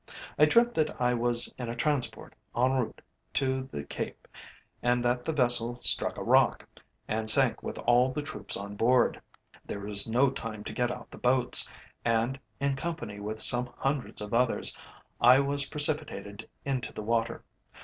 I dreamt that I was in a transport en route to the Cape, and that the vessel struck a rock, and sank with all the troops on board. There was no time to get out the boats, and, in company with some hundreds of others, I was precipitated into the water.